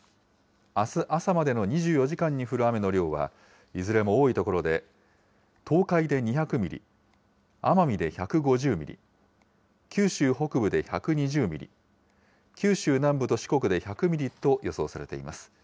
あす朝までの２４時間に降る雨の量は、いずれも多い所で、東海で２００ミリ、奄美で１５０ミリ、九州北部で１２０ミリ、九州南部と四国で１００ミリと予想されています。